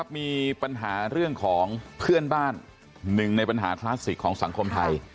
มีปัญหาเรื่องของเพื่อนบ้านหนึ่งในปัญหาคลาสสิกของสังคมไทย